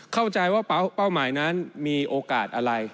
เข้าใจว่าเป้าหมายนั้นมีโอกาสอะไร